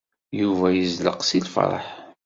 Yuba yezleq seg lfeṛḥ.